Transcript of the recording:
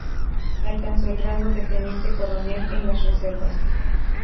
Alcanzó el rango de teniente coronel en las reservas.